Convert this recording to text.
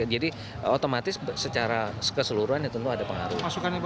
jadi otomatis secara keseluruhan itu tentu ada pengaruh